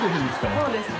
そうですね。